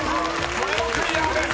これもクリアです］